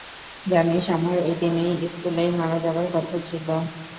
জানিস, আমার ঐ দিনেই স্কুলেই মারা যাবার কথা ছিল।